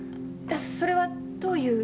それはどういう？